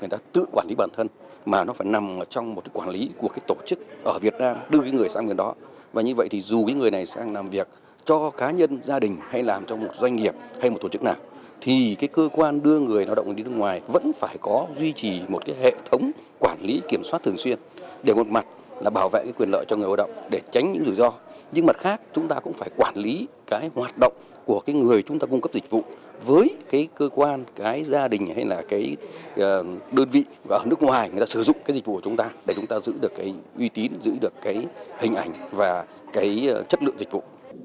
để một mặt là bảo vệ quyền lợi cho người lao động để tránh những rủi ro nhưng mặt khác chúng ta cũng phải quản lý hoạt động của người chúng ta cung cấp dịch vụ với cơ quan gia đình hay đơn vị ở nước ngoài sử dụng dịch vụ của chúng ta để chúng ta giữ được uy tín giữ được hình ảnh và chất lượng dịch vụ